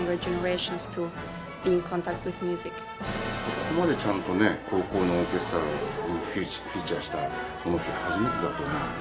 ここまでちゃんとね高校のオーケストラにフィーチャーしたものって初めてだと思うので。